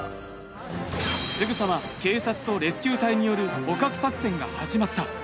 すぐさま警察とレスキュー隊による捕獲作戦が始まった。